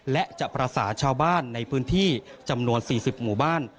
และจะประสานชาวบ้านในพื้นที่จำนวน๔๐หมู่บ้าน